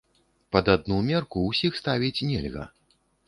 Пад адну мерку ўсіх ставіць нельга.